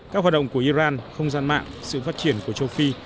các hoạt động của iran không gian mạng sự phát triển của châu phi